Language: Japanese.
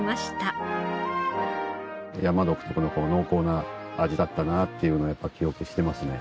山独特の濃厚な味だったなっていうのを記憶してますね。